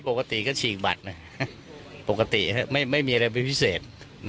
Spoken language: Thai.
ปกติก็ฉีกบัตรปกติไม่มีอะไรเป็นพิเศษ